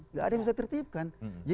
nggak ada yang bisa tertipkan